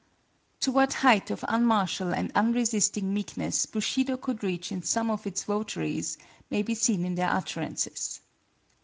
To what height of unmartial and unresisting meekness Bushido could reach in some of its votaries, may be seen in their utterances.